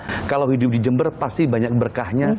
karena kalau hidup di jember pasti banyak berkahnya